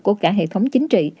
của cả hệ thống chính trị